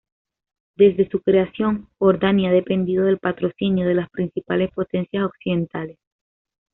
Desde su creación, Jordania ha dependido del patrocinio de las principales potencias occidentales.